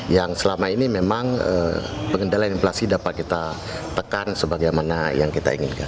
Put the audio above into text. yang selama ini memang pengendalian inflasi dapat kita tekan sebagaimana yang kita inginkan